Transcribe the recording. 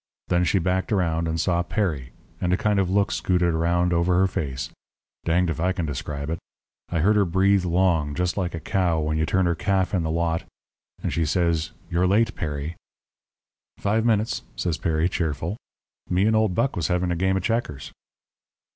Then she backed around, and saw Perry, and a kind of a look scooted around over her face danged if I can describe it. I heard her breathe long, just like a cow when you turn her calf in the lot, and she says: 'You're late, Perry.' "'Five minutes,' says Perry, cheerful. 'Me and old Buck was having a game of checkers.'